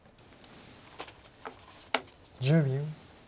１０秒。